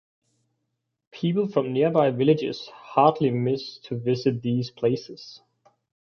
People from nearby villages hardly miss to visit these places.